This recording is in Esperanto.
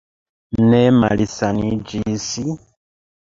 Ne malsaniĝis?